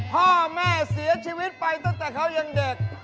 พ่อแม่เสียชีวิตไปตั้งแต่เขายังเด็ก